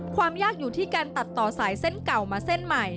ความยากอยู่ที่การตัดต่อสายเส้นเก่ามาเส้นใหม่